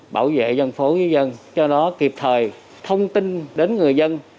bảo vệ dân phố với dân cho nó kịp thời thông tin đến người dân